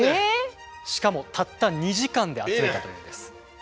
しかもたった２時間で集めたというんです。